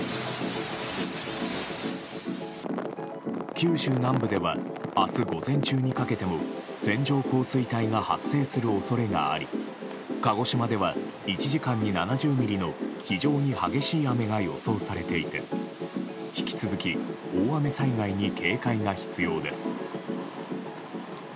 九州南部では明日午前中にかけても線状降水帯が発生する恐れがあり鹿児島では１時間に７０ミリの非常に激しい雨が予想されていて引き続き大雨災害に警戒が必要です。